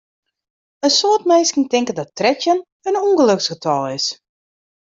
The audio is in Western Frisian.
In soad minsken tinke dat trettjin in ûngeloksgetal is.